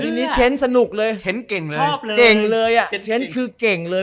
นี้เช้นสนุกเลยเช้นเก่งเลยชอบเลยเก่งเลยอ่ะเจ็ดเช้นคือเก่งเลย